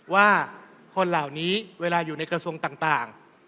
ว่าคนเหล่านี้เวลาอยู่ในกระทรวงต่าง